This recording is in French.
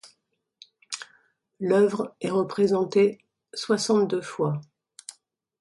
L’œuvre est représentée soixante-deux fois.